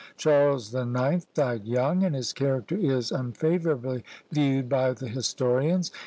Charles the Ninth died young, and his character is unfavourably viewed by the historians.